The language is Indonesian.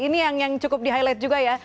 ini yang cukup di highlight juga ya